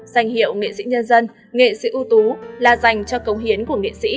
danh hiệu nghệ sĩ nhân dân nghệ sĩ ưu tú là dành cho công hiến của nghệ sĩ